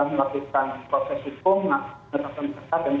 nah juga yang sekarang adalah mengikir pertanyaan pertanyaan yang sama ini